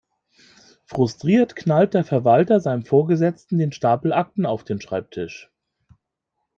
Frustriert knallt der Verwalter seinem Vorgesetzten den Stapel Akten auf den Schreibtisch.